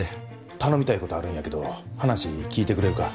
頼みたいことあるんやけど話聞いてくれるか？